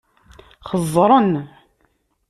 Xeẓẓren.